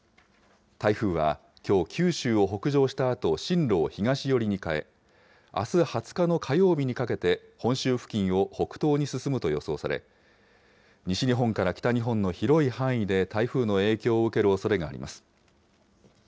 台風はきょう、九州を北上したあと進路を東寄りに変え、あす２０日の火曜日にかけて、本州付近を北東に進むと予想され、西日本から北日本の広い範囲で台風の影響を受けるおそれがあります。